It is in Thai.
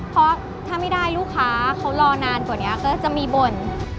เพราะถ้าไม่ได้ลูกค้าเขารอนานกว่านี้ก็จะมีบ่น